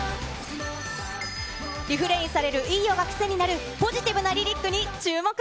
リフレインされる、いいよが癖になるポジティブなリリックに注目。